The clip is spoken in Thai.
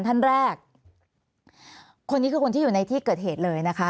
ท่านแรกคนนี้คือคนที่อยู่ในที่เกิดเหตุเลยนะคะ